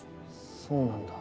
そうなんだ。